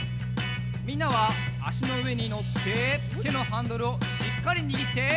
みんなはあしのうえにのっててのハンドルをしっかりにぎって。